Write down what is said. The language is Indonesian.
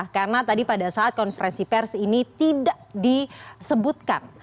karena tadi pada saat konferensi pers ini tidak disebutkan